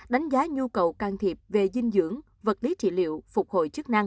đánh giá nhu cầu can thiệp về dinh dưỡng vật lý trị liệu phục hồi chức năng